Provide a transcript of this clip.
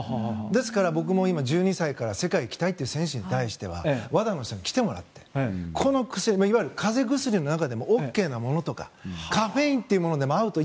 ですから、僕も今、１２歳から世界に行きたいという選手にはＷＡＤＡの人に来てもらってこの薬、いわゆる風邪薬の中でもＯＫなものとかカフェインというものでもアウト。